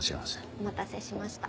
お待たせしました。